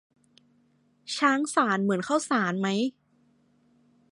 ช้างสาร เหมือนข้าวสารไหม